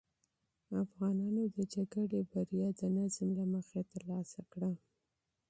افغانانو د جګړې بریا د نظم له مخې ترلاسه کړه.